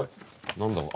何だろう？